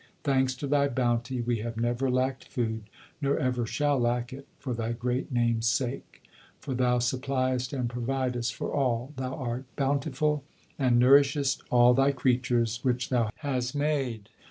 Thanks to Thy bounty we have never lacked food, nor ever shall lack it, for Thy great name's sake. For Thou suppliest and providest for all; Thou are bountiful, and nourishest all Thy creatures which Thou has made.